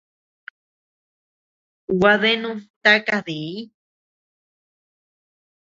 Gua deanud taka diñ.